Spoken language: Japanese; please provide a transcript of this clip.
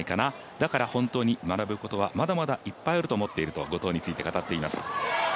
だから本当に学ぶことはまだまだいっぱいあると思っていると後藤について語っています。